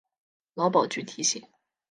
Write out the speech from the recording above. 劳保局提醒